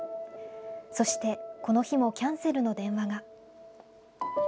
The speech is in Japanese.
そして、この日もキャンセルの電話が。